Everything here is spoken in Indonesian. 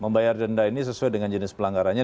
membayar denda ini sesuai dengan jenis pelanggarannya